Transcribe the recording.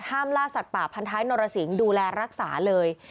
ล่าสัตว์ป่าพันท้ายนรสิงดูแลรักษาเลย